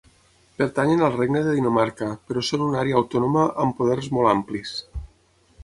Pertanyen al regne de Dinamarca, però són una àrea autònoma amb poders molt amplis.